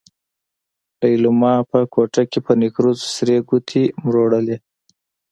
ليلما په کوټه کې په نکريزو سرې ګوتې مروړلې.